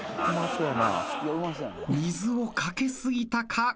水を掛けすぎたか。